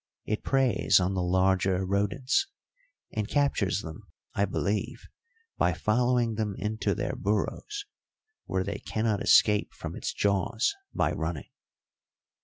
It preys on the larger rodents, and captures them, I believe, by following them into their burrows, where they cannot escape from its jaws by running.